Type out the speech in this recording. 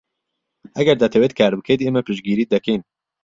ئەگەر دەتەوێت کار بکەیت، ئێمە پشتگیریت دەکەین.